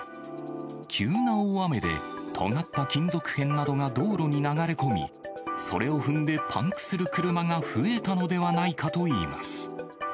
急な大雨で、とがった金属片などが道路に流れ込み、それを踏んでパンクする車が増えたのではないかといいます。